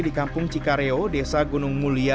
di kampung cikareo desa gunung mulia